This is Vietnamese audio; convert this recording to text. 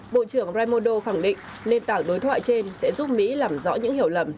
bộ trưởng raimondo khẳng định nền tảng đối thoại trên sẽ giúp mỹ làm rõ những hiểu lầm